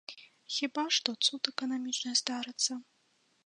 Хіба што, цуд эканамічны здарыцца.